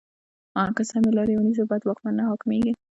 که سمې لارې ونیسو، بد واکمن نه حاکمېږي.